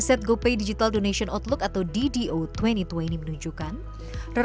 sebagian besar orang menyumbang melalui crowdfunding